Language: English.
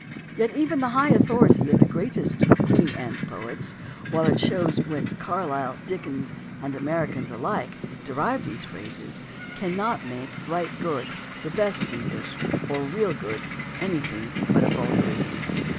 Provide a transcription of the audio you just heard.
Yet even the high authority of the greatest of Queen Anne's poets, while it shows whence Carlyle, Dickens, and Americans alike derive these phrases, cannot make "right good" the best Enghsh, or "real good" anything but a vulgarism.